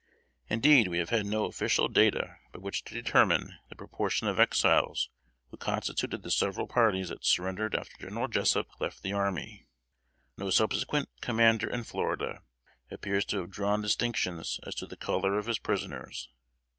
Indeed, we have had no official data by which to determine the proportion of Exiles who constituted the several parties that surrendered after General Jessup left the army. No subsequent commander in Florida appears to have drawn distinctions as to the color of his prisoners.